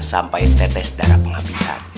sampai tetes darah penghabisan